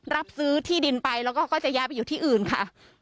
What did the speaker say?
รับซื้อที่ดินไปแล้วก็จะย้ายไปอยู่ที่อื่นค่ะ